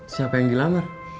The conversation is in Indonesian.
siapa yang dilamar